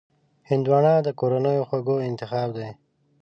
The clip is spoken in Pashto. هندوانه د کورنیو خوږ انتخاب دی.